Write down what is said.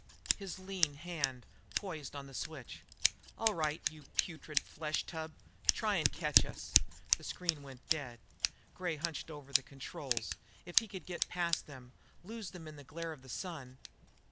His lean hand poised on the switch. "All right, you putrid flesh tub. Try and catch us!" The screen went dead. Gray hunched over the controls. If he could get past them, lose himself in the glare of the Sun....